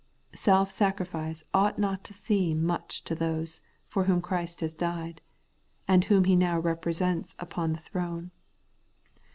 Self sacri fice ought not to seem much to those for whom Christ has died, and whom He now represents upon the throne.